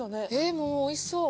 もうおいしそう。